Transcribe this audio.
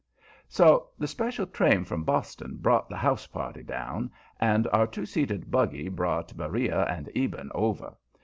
So the special train from Boston brought the "house party" down, and our two seated buggy brought Beriah and Eben over.